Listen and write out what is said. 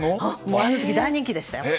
あの時、大人気でしたよ。